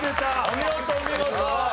お見事お見事。